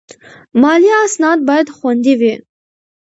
مالي اسناد باید خوندي وي.